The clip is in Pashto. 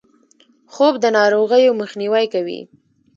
خوب د ناروغیو مخنیوی کوي